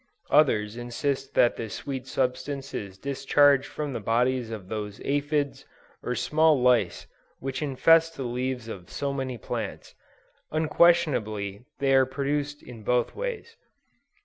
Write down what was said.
Others insist that this sweet substance is discharged from the bodies of those aphides or small lice which infest the leaves of so many plants. Unquestionably they are produced in both ways.